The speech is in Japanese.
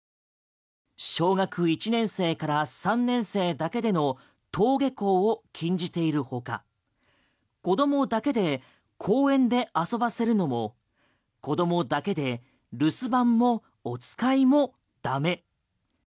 小学１年生から３年生だけでの登下校を禁じているほか子供だけで公園で遊ばせるのも子供だけで留守番もお使いも駄目。